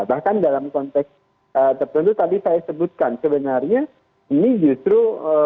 bahkan dalam konteks tertentu tadi saya sebutkan sebenarnya ini justru